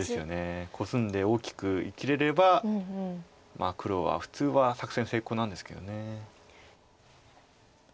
コスんで大きく生きれれば黒は普通は作戦成功なんですけど。